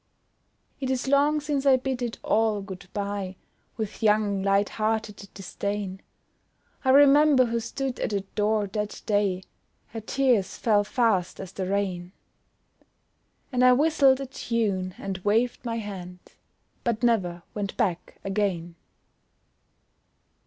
It is long since I bid it all good bye, With young light hearted disdain; I remember who stood at the door that day; Her tears fell fast as the rain; And I whistled a tune and waved my hand, But never went back again.